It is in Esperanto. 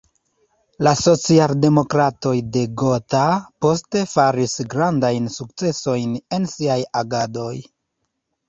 La socialdemokratoj de Gotha poste faris grandajn sukcesojn en siaj agadoj.